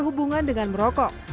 berhubungan dengan merokok